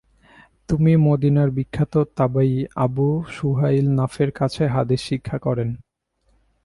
তিনি মদিনার বিখ্যাত তাবেয়ী আবু সুহাইল নাফের কাছে হাদিস শিক্ষা করেন।